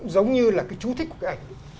giống như là cái chú thích của cái ảnh